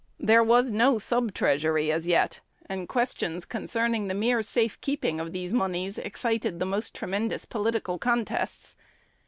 There was no sub treasury as yet, and questions concerning the mere safe keeping of these moneys excited the most tremendous political contests.